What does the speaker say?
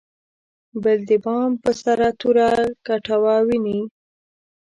بل د بام په سر توره کټوه ویني.